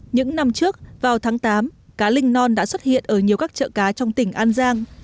những năm trước vào tháng tám cá linh non đã xuất hiện ở nhiều các chợ cá trong tỉnh an giang